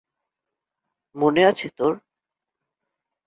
মনে আছে তোর?